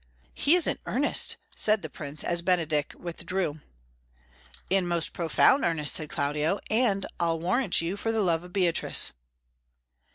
"He is in earnest," said the Prince, as Benedick withdrew. "In most profound earnest," said Claudio; "and, I'll warrant you, for the love of Beatrice."